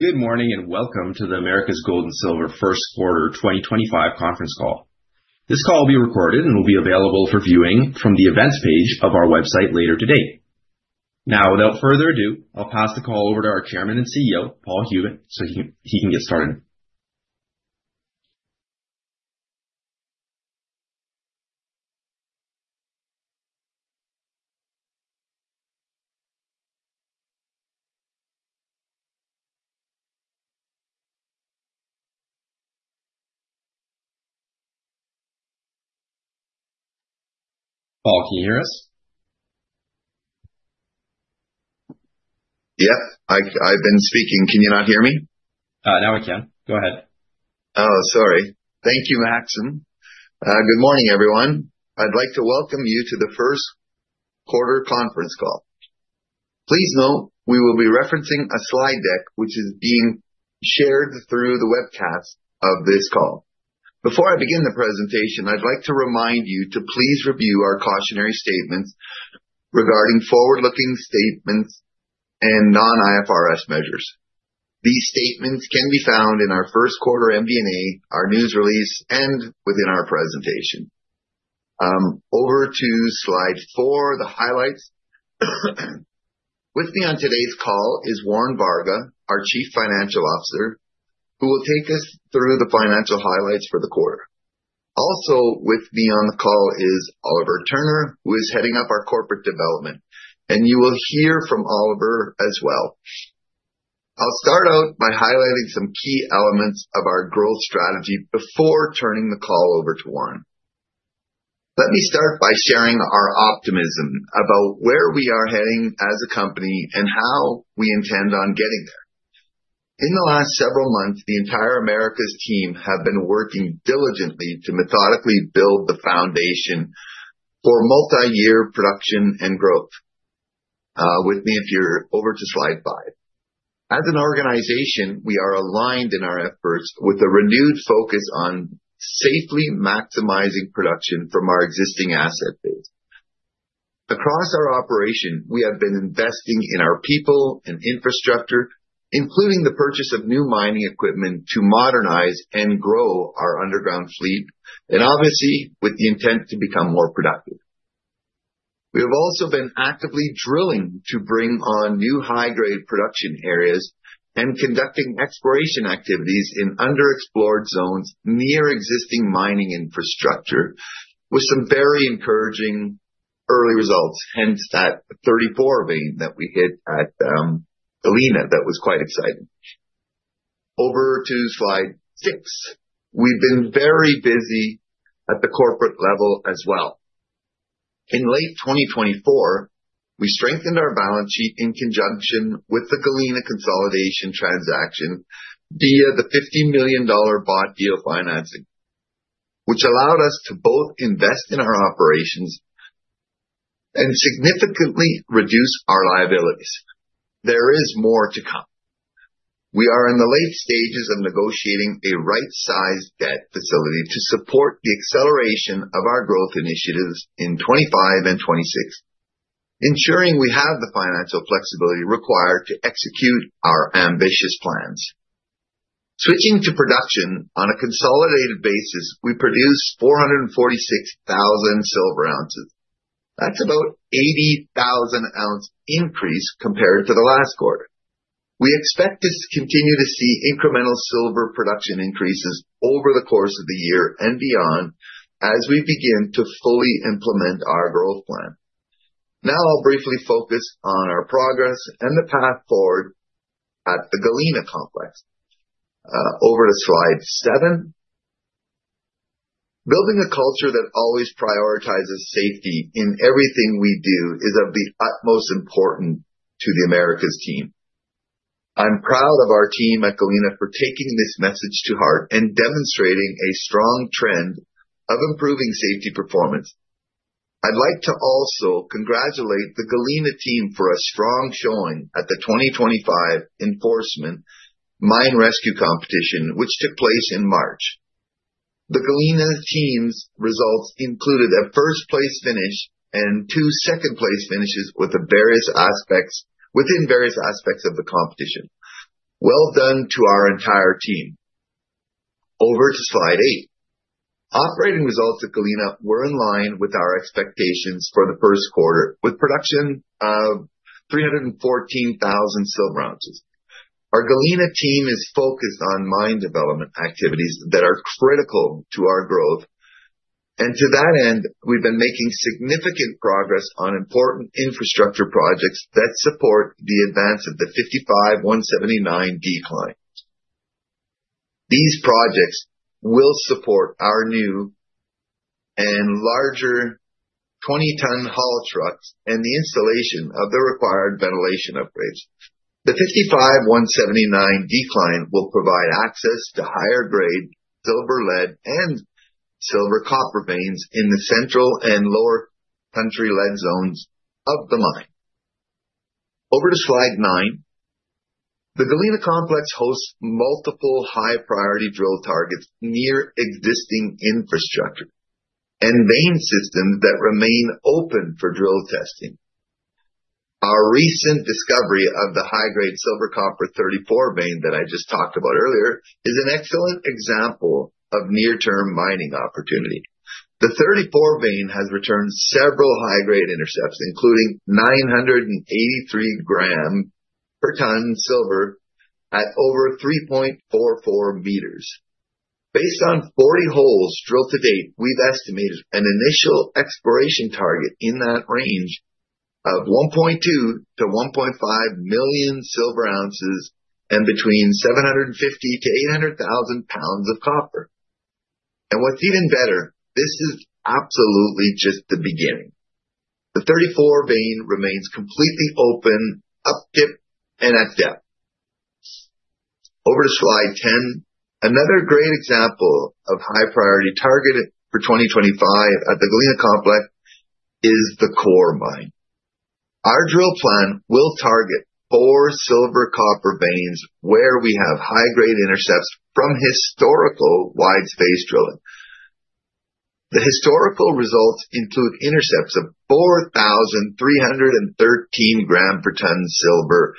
Good morning and welcome to the Americas Gold and Silver First Quarter 2025 conference call. This call will be recorded and will be available for viewing from the events page of our website later today. Now, without further ado, I'll pass the call over to our Chairman and CEO, Paul Huet, so he can get started. Paul, can you hear us? Yep, I've been speaking. Can you not hear me? Now I can. Go ahead. Oh, sorry. Thank you, Maxim. Good morning, everyone. I'd like to welcome you to the First Quarter conference call. Please note we will be referencing a slide deck which is being shared through the webcast of this call. Before I begin the presentation, I'd like to remind you to please review our cautionary statements regarding forward-looking statements and non-IFRS measures. These statements can be found in our First Quarter MD&A, our news release, and within our presentation. Over to slide four, the highlights. With me on today's call is Warren Varga, our Chief Financial Officer, who will take us through the financial highlights for the quarter. Also with me on the call is Oliver Turner, who is heading up our corporate development, and you will hear from Oliver as well. I'll start out by highlighting some key elements of our growth strategy before turning the call over to Warren. Let me start by sharing our optimism about where we are heading as a company and how we intend on getting there. In the last several months, the entire Americas team has been working diligently to methodically build the foundation for multi-year production and growth. With me, if you are over to slide five. As an organization, we are aligned in our efforts with a renewed focus on safely maximizing production from our existing asset base. Across our operation, we have been investing in our people and infrastructure, including the purchase of new mining equipment to modernize and grow our underground fleet, and obviously with the intent to become more productive. We have also been actively drilling to bring on new high-grade production areas and conducting exploration activities in underexplored zones near existing mining infrastructure with some very encouraging early results; hence that 34 vein that we hit at Galena that was quite exciting. Over to slide six. We have been very busy at the corporate level as well. In late 2024, we strengthened our balance sheet in conjunction with the Galena consolidation transaction via the $50 million bought deal financing, which allowed us to both invest in our operations and significantly reduce our liabilities. There is more to come. We are in the late stages of negotiating a right-sized debt facility to support the acceleration of our growth initiatives in 2025 and 2026, ensuring we have the financial flexibility required to execute our ambitious plans. Switching to production on a consolidated basis, we produce 446,000 silver ounces. That's about an 80,000-ounce increase compared to the last quarter. We expect to continue to see incremental silver production increases over the course of the year and beyond as we begin to fully implement our growth plan. Now I'll briefly focus on our progress and the path forward at the Galena complex. Over to slide seven. Building a culture that always prioritizes safety in everything we do is of the utmost importance to the Americas team. I'm proud of our team at Galena for taking this message to heart and demonstrating a strong trend of improving safety performance. I'd like to also congratulate the Galena team for a strong showing at the 2025 Enforcement Mine Rescue Competition, which took place in March. The Galena team's results included a first-place finish and two second-place finishes within various aspects of the competition. Well done to our entire team. Over to slide eight. Operating results at Galena were in line with our expectations for the first quarter, with production of 314,000 silver ounces. Our Galena team is focused on mine development activities that are critical to our growth, and to that end, we've been making significant progress on important infrastructure projects that support the advance of the 55179 decline. These projects will support our new and larger 20-ton haul trucks and the installation of the required ventilation upgrades. The 55179 decline will provide access to higher-grade silver-lead and silver-copper veins in the central and lower country lead zones of the mine. Over to slide nine. The Galena complex hosts multiple high-priority drill targets near existing infrastructure and vein systems that remain open for drill testing. Our recent discovery of the high-grade silver-copper 34 vein that I just talked about earlier is an excellent example of near-term mining opportunity. The 34 vein has returned several high-grade intercepts, including 983 grams per ton silver at over 3.44 meters. Based on 40 holes drilled to date, we've estimated an initial exploration target in that range of 1.2-1.5 million silver ounces and between 750,000 to 800,000 pounds of copper. What's even better, this is absolutely just the beginning. The 34 vein remains completely open up dip and at depth. Over to slide 10. Another great example of high-priority target for 2025 at the Galena complex is the core mine. Our drill plan will target four silver-copper veins where we have high-grade intercepts from historical wide-space drilling. The historical results include intercepts of 4,313 grams per ton silver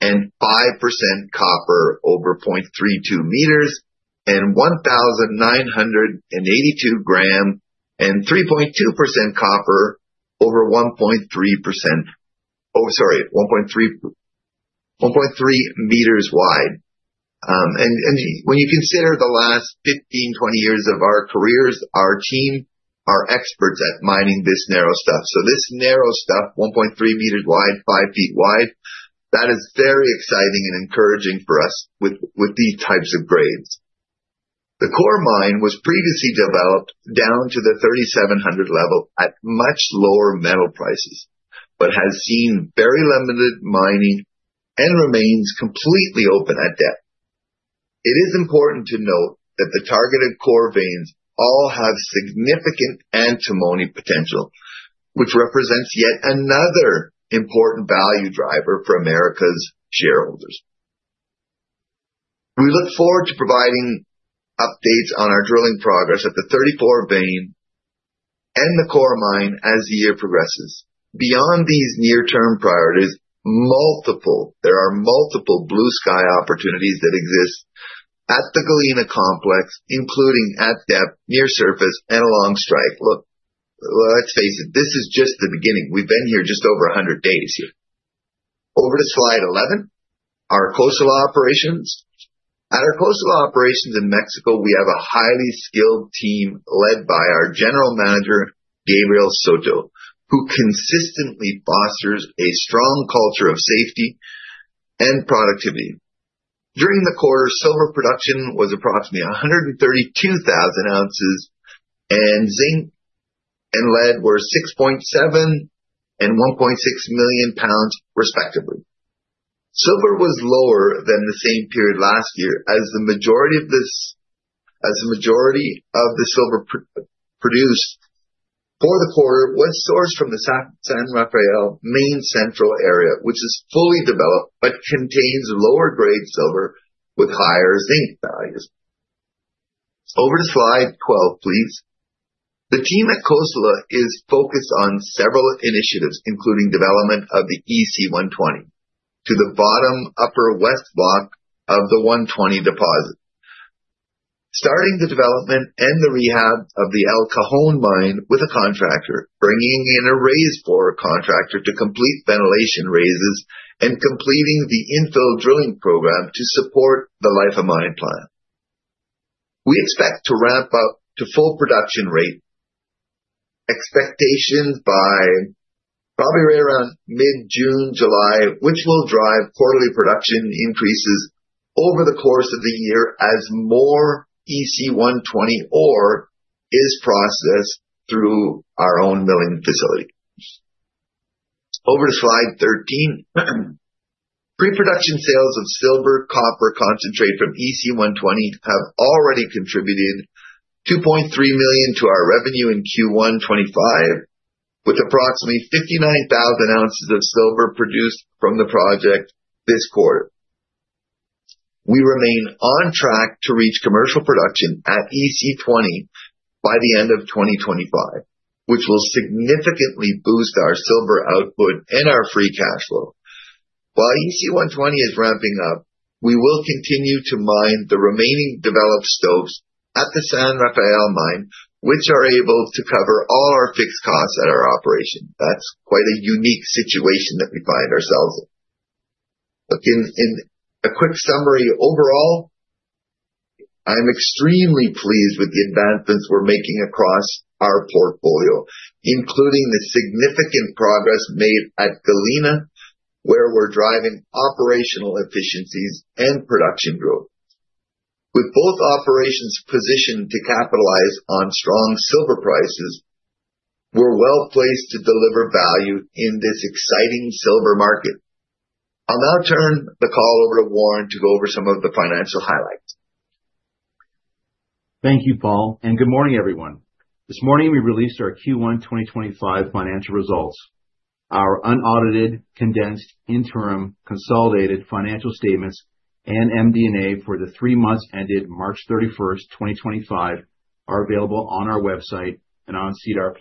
and 5% copper over 0.32 meters and 1,982 grams and 3.2% copper over 1.3, oh, sorry, 1.3 meters wide. When you consider the last 15-20 years of our careers, our team are experts at mining this narrow stuff. This narrow stuff, 1.3 meters wide, 5 feet wide, is very exciting and encouraging for us with these types of grades. The core mine was previously developed down to the 3,700 level at much lower metal prices but has seen very limited mining and remains completely open at depth. It is important to note that the targeted core veins all have significant antimony potential, which represents yet another important value driver for America's shareholders. We look forward to providing updates on our drilling progress at the 34 vein and the core mine as the year progresses. Beyond these near-term priorities, there are multiple blue-sky opportunities that exist at the Galena complex, including at depth, near surface, and along strike. Look, let's face it, this is just the beginning. We've been here just over 100 days here. Over to slide 11, our Cosalá operations. At our Cosalá operations in Mexico, we have a highly skilled team led by our General Manager, Gabriel Soto, who consistently fosters a strong culture of safety and productivity. During the quarter, silver production was approximately 132,000 ounces, and zinc and lead were 6.7 and 1.6 million pounds, respectively. Silver was lower than the same period last year, as the majority of the silver produced for the quarter was sourced from the San Rafael main central area, which is fully developed but contains lower-grade silver with higher zinc values. Over to slide 12, please. The team at Cosalá is focused on several initiatives, including development of the EC 120 to the bottom upper west block of the 120 deposit. Starting the development and the rehab of the El Cajon mine with a contractor, bringing in a raise for a contractor to complete ventilation raises, and completing the infill drilling program to support the Lifamine plan. We expect to ramp up to full production rate expectations by probably right around mid-June, July, which will drive quarterly production increases over the course of the year as more EC 120 ore is processed through our own milling facility. Over to slide 13. Pre-production sales of silver copper concentrate from EC 120 have already contributed $2.3 million to our revenue in Q1 2025, with approximately 59,000 ounces of silver produced from the project this quarter. We remain on track to reach commercial production at EC 120 by the end of 2025, which will significantly boost our silver output and our free cash flow. While EC 120 is ramping up, we will continue to mine the remaining developed stoves at the San Rafael mine, which are able to cover all our fixed costs at our operation. That's quite a unique situation that we find ourselves in. Look, in a quick summary overall, I'm extremely pleased with the advancements we're making across our portfolio, including the significant progress made at Galena, where we're driving operational efficiencies and production growth. With both operations positioned to capitalize on strong silver prices, we're well placed to deliver value in this exciting silver market. I'll now turn the call over to Warren to go over some of the financial highlights. Thank you, Paul, and good morning, everyone. This morning, we released our Q1 2025 financial results. Our unaudited, condensed, interim, consolidated financial statements and MD&A for the three months ended March 31, 2025, are available on our website and on SEDAR+.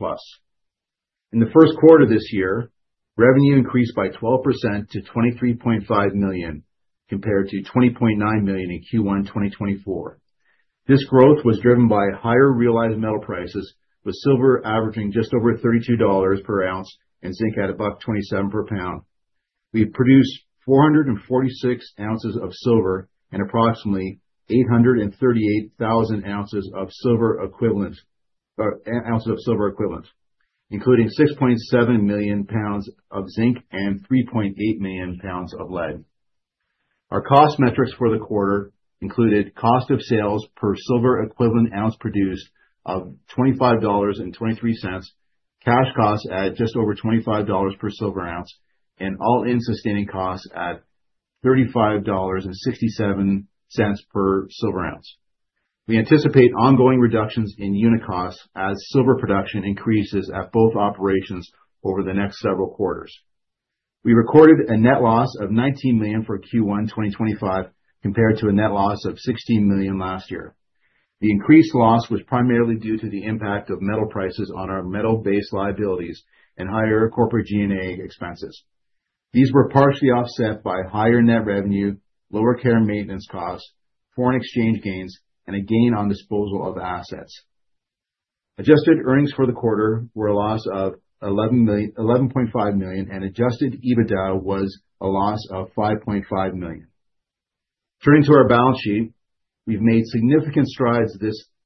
In the first quarter of this year, revenue increased by 12% to $23.5 million, compared to $20.9 million in Q1 2024. This growth was driven by higher realized metal prices, with silver averaging just over $32 per ounce and zinc at about $27 per pound. We produced 446,000 ounces of silver and approximately 838,000 ounces of silver equivalent, including 6.7 million pounds of zinc and 3.8 million pounds of lead. Our cost metrics for the quarter included cost of sales per silver equivalent ounce produced of $25.23, cash costs at just over $25 per silver ounce, and all-in sustaining costs at $35.67 per silver ounce. We anticipate ongoing reductions in unit costs as silver production increases at both operations over the next several quarters. We recorded a net loss of $19 million for Q1 2025, compared to a net loss of $16 million last year. The increased loss was primarily due to the impact of metal prices on our metal-based liabilities and higher corporate G&A expenses. These were partially offset by higher net revenue, lower care maintenance costs, foreign exchange gains, and a gain on disposal of assets. Adjusted earnings for the quarter were a loss of $11.5 million, and adjusted EBITDA was a loss of $5.5 million. Turning to our balance sheet, we've made significant strides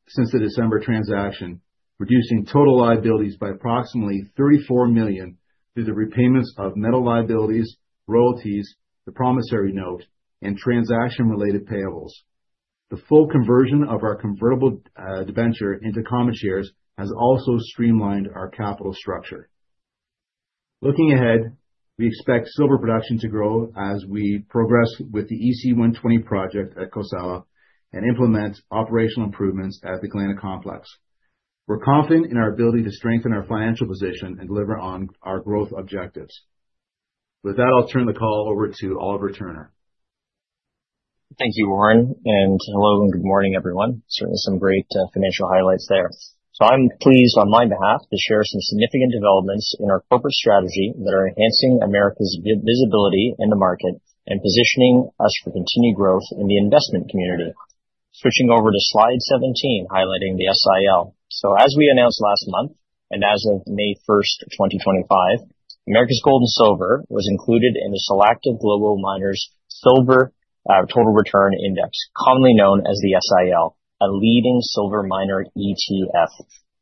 since the December transaction, reducing total liabilities by approximately $34 million through the repayments of metal liabilities, royalties, the promissory note, and transaction-related payables. The full conversion of our convertible debenture into common shares has also streamlined our capital structure. Looking ahead, we expect silver production to grow as we progress with the EC 120 project at Cosalá and implement operational improvements at the Galena complex. We're confident in our ability to strengthen our financial position and deliver on our growth objectives. With that, I'll turn the call over to Oliver Turner. Thank you, Warren, and hello and good morning, everyone. Certainly some great financial highlights there. I'm pleased on my behalf to share some significant developments in our corporate strategy that are enhancing America's visibility in the market and positioning us for continued growth in the investment community. Switching over to slide 17, highlighting the SIL. As we announced last month, and as of May 1, 2025, Americas Gold and Silver was included in the Selective Global Miners Silver Total Return Index, commonly known as the SIL, a leading silver miner ETF.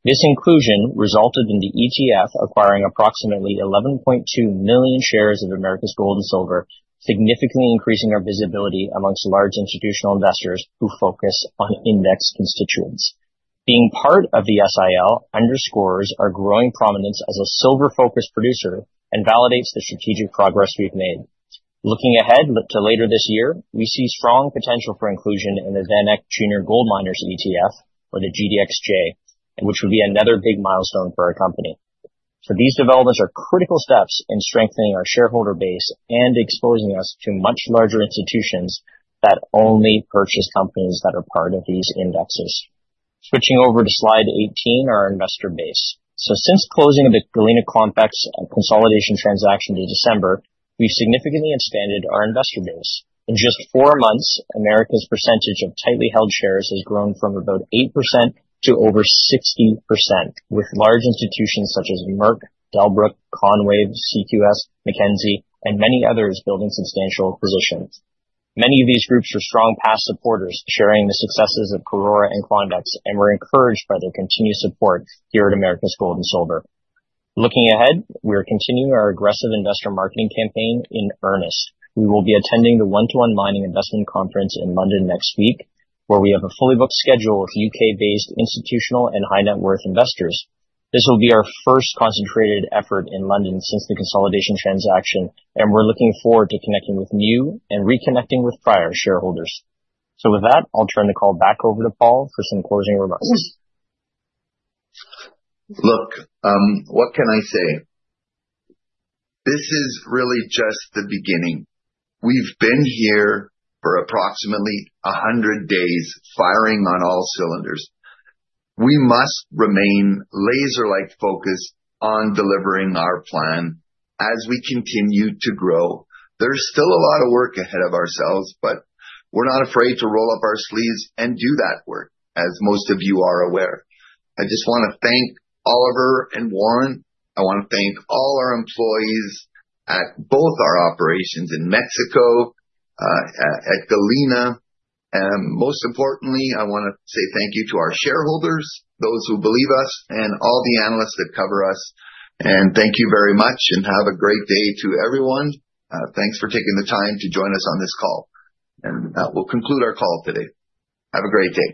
This inclusion resulted in the ETF acquiring approximately 11.2 million shares of Americas Gold and Silver, significantly increasing our visibility amongst large institutional investors who focus on index constituents. Being part of the SIL underscores our growing prominence as a silver-focused producer and validates the strategic progress we've made. Looking ahead to later this year, we see strong potential for inclusion in the VanEck Junior Gold Miners ETF, or the GDXJ, which would be another big milestone for our company. These developments are critical steps in strengthening our shareholder base and exposing us to much larger institutions that only purchase companies that are part of these indexes. Switching over to slide 18, our investor base. Since closing of the Galena complex and consolidation transaction to December, we've significantly expanded our investor base. In just four months, America's percentage of tightly held shares has grown from about 8% to over 60%, with large institutions such as Merck, Delbrück, Conway, CQS, McKenzie, and many others building substantial positions. Many of these groups are strong past supporters sharing the successes of Corora and Quandex, and we're encouraged by their continued support here at Americas Gold and Silver. Looking ahead, we are continuing our aggressive investor marketing campaign in earnest. We will be attending the one-to-one mining investment conference in London next week, where we have a fully booked schedule with U.K.-based institutional and high-net-worth investors. This will be our first concentrated effort in London since the consolidation transaction, and we're looking forward to connecting with new and reconnecting with prior shareholders. With that, I'll turn the call back over to Paul for some closing remarks. Look, what can I say? This is really just the beginning. We've been here for approximately 100 days, firing on all cylinders. We must remain laser-like focused on delivering our plan as we continue to grow. There's still a lot of work ahead of ourselves, but we're not afraid to roll up our sleeves and do that work, as most of you are aware. I just want to thank Oliver and Warren. I want to thank all our employees at both our operations in Mexico, at Galena. Most importantly, I want to say thank you to our shareholders, those who believe us, and all the analysts that cover us. Thank you very much, and have a great day to everyone. Thanks for taking the time to join us on this call. That will conclude our call today. Have a great day.